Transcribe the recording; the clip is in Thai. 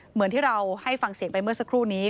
เหมือนที่เราให้ฟังเสียงไปเมื่อสักครู่นี้